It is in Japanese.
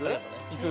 いく。